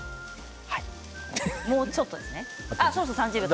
もうちょっとですね。